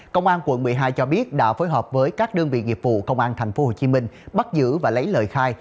công an quận một mươi hai cho biết đã phối hợp với các đơn vị nghiệp vụ công an tp hcm bắt giữ và lấy lời khai